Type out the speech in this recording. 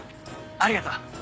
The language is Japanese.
ありがとう。